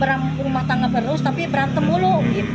berang rumah tangga berus tapi berantem mulu